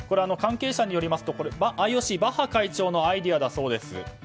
関係者によりますとＩＯＣ、バッハ会長のアイデアだそうです。